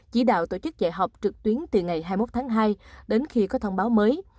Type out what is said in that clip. chỉ đạo tổ chức dạy học trực tuyến từ ngày hai mươi một tháng hai đến khi có thông báo mới